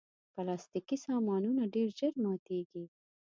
پلاستيکي سامانونه ډېر ژر ماتیږي.